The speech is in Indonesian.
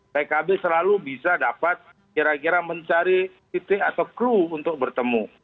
pkb selalu bisa dapat kira kira mencari titik atau clue untuk bertemu